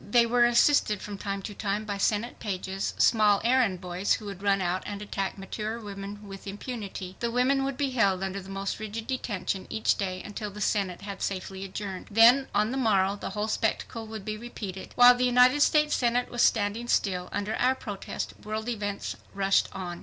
They were assisted from time to time by Senate pages, small errand boys who would run out and attack mature women with impunity. The women would be held under the most rigid detention each day until the Senate had safely adjourned. Then on the morrow the whole spectacle would be repeated. While the United States Senate was standing still under our protest world events rushed on.